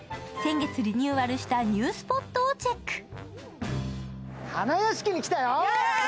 先月リニューアルしたニュースポットをチェック。